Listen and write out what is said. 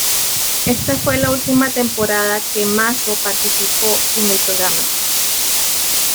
Esta fue la última temporada que Mazo participó en el programa.